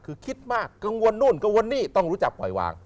คือคิดมากกังวลนู่นกังวลนี่ต้องรู้จักปล่อยวาง